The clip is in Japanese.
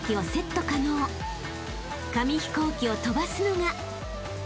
［紙飛行機を飛ばすのが］